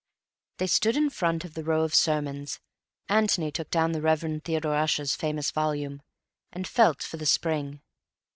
They stood in front of the row of sermons. Antony took down the Reverend Theodore Ussher's famous volume, and felt for the spring.